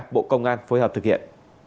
bộ công an phối hợp thực hiện